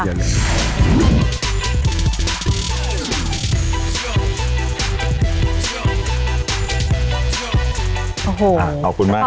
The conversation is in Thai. คุณแย่งมากครับ